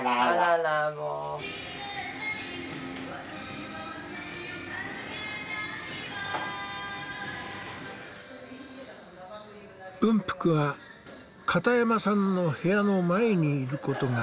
文福は片山さんの部屋の前にいることが増えていた。